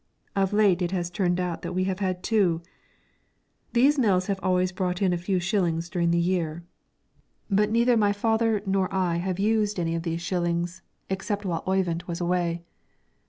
Of late it has turned out that we have had two. These mills have always brought in a few shillings during the year; but neither my father nor I have used any of these shillings except while Oyvind was away.